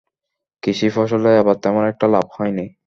কৃষি ফসলে এবার তেমন একটা লাভ হয়নি।